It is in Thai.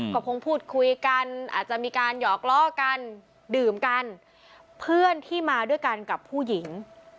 ก็คงพูดคุยกันอาจจะมีการหยอกล้อกันดื่มกันเพื่อนที่มาด้วยกันกับผู้หญิง